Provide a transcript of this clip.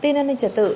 tin an ninh trở tự